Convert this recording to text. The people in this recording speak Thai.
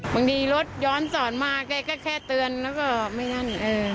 บางทีรถย้อนสอนมาแกก็แค่เตือนแล้วก็ไม่นั่น